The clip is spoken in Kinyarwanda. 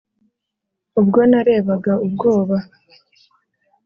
ubwo narebaga ubwoba